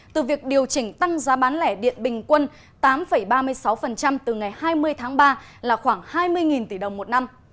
từ việc điều chỉnh tăng giá bán lẻ điện bình quân tám ba mươi sáu từ ngày hai mươi tháng ba là khoảng hai mươi tỷ đồng một năm